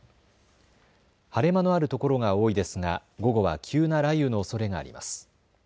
晴れ間のあるところが多いですが午後は急な雷雨のおそれがあります。